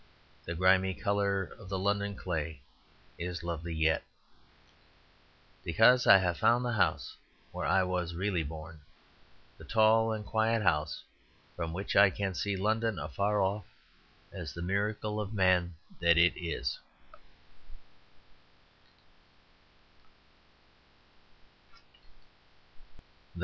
The grimy colour of the London clay Is lovely yet,' "because I have found the house where I was really born; the tall and quiet house from which I can see London afar off, as the miracle of man that it is."